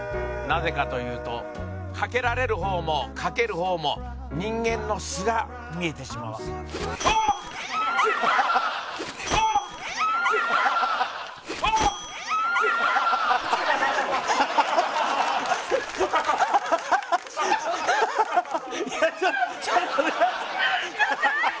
なぜかというとかけられる方もかける方も人間の素が見えてしまうあっ嫌っあっ嫌っあっ嫌っ